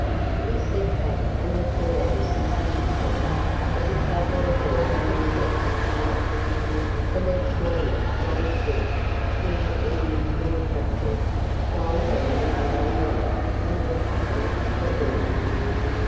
He stepped back and looked around suspiciously as he suddenly heard footsteps above. The next moment Long Sin, who had entered through a trap door, climbed down a long ladder and walked into the room.